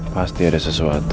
pasti ada sesuatu